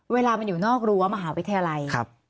เวลามันอยู่นอกรั้วมหาวิทยาลัย